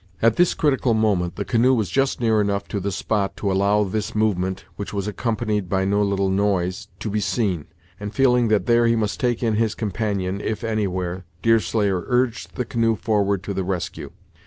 At this critical moment the canoe was just near enough to the spot to allow this movement, which was accompanied by no little noise, to be seen, and feeling that there he must take in his companion, if anywhere, Deerslayer urged the canoe forward to the rescue.